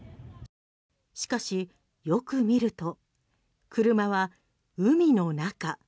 しかし、よく見ると車は海の中。